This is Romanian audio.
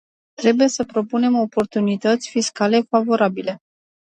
Trebuie să propunem oportunități fiscale favorabile.